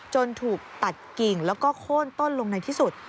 ถูกตัดกิ่งแล้วก็โค้นต้นลงในที่สุด